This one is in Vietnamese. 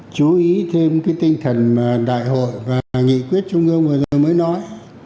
chú ý thêm tinh thần đại hội và nghị quyết trung ương vừa rồi mới nói